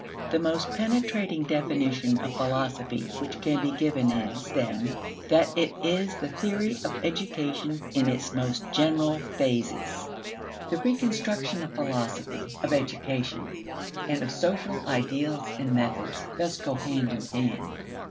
The most penetrating definition of philosophy which can be given is, then, that it is the theory of education in its most general phases. The reconstruction of philosophy, of education, and of social ideals and methods thus go hand in hand.